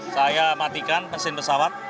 saya matikan mesin pesawat